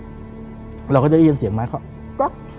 เราก็จะได้ยินเสียงไม้เขาก๊อก